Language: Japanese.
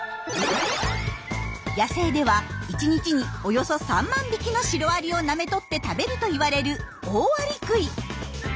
野生では１日におよそ３万匹のシロアリをなめ取って食べるといわれるオオアリクイ。